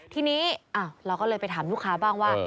ทีนี้เราก็เลยไปถามลูกค้าบ้างว่า